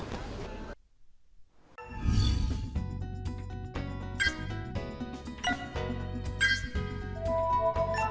công an đồng tháp